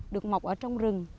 được mọc ở trong rừng